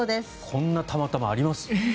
こんなたまたまあります？